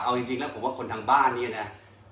เอาจริงแล้วผมว่าคนทางบ้านเนี่ยนะ